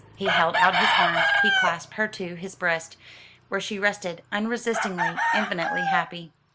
He held out his arms, he clasped her to his breast, where she rested unresistingly, infinitely happy.